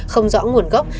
không rõ nguồn gốc